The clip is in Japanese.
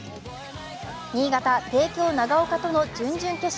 新潟・帝京長岡との準々決勝。